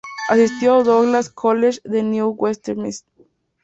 Asistió al Douglas College de New Westminster.